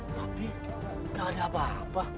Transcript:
tapi gak ada apa apa